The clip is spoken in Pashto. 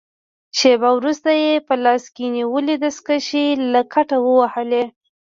شېبه وروسته يې په لاس کې نیولې دستکشې له کټه ووهلې.